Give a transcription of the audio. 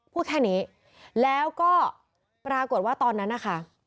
พูดแค่นี้แล้วก็ปรากฏว่าตอนนั้นนะคะ